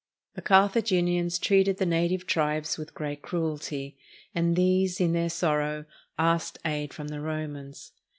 The Carthaginians treated the native tribes with great cruelty, and these, in their sorrow, asked aid from the Romans.